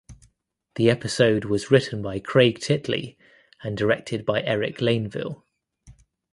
The episode was written by Craig Titley and directed by Eric Laneuville.